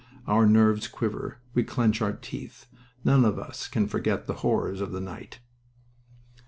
Our nerves quiver. We clench our teeth. None of us can forget the horrors of the night."